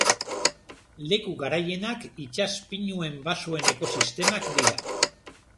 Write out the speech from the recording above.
Leku garaienak itsas pinuen basoen ekosistemak dira.